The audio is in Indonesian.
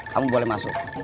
kamu boleh masuk